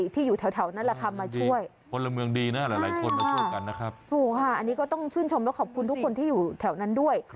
ถูกค่ะอันนี้ก็ต้องชื่นชมแล้วขอบคุณทุกคนที่อยู่แถวนั้นด้วย